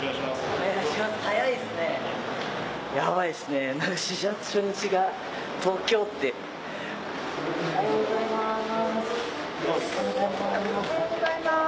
おはようございます。